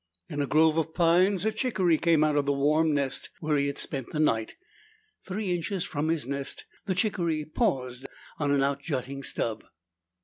In a grove of pines, a chickaree came out of the warm nest where he had spent the night. Three inches from his nest, the chickaree paused on an outjutting stub.